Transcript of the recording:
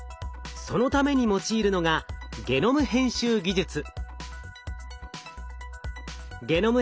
そのために用いるのがゲノム編集技術。